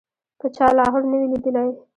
که چا لاهور نه وي لیدلی.